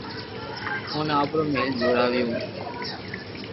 اوني آپرو مھل جوراويو